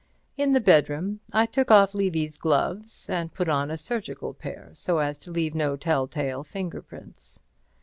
In the bedroom I took off Levy's gloves and put on a surgical pair, so as to leave no telltale finger prints.